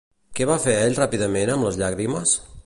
Què va fer ell ràpidament amb les llàgrimes?